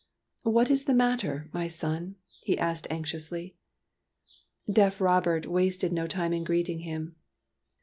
" What is the matter, my son ?" he asked anxiously. Deaf Robert wasted no time in greeting him.